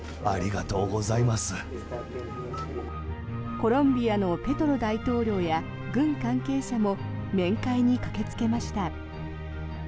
コロンビアのペトロ大統領や軍関係者も面会に駆けつけました。